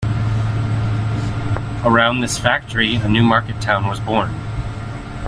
Around this factory a new market town was born.